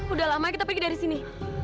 udah lah mah kita pergi dari sini